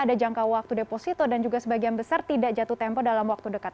ada jangka waktu deposito dan juga sebagian besar tidak jatuh tempo dalam waktu dekat